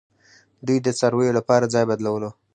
دوی د څارویو لپاره ځای بدلولو